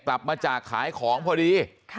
กลับมาจากขายของพอดี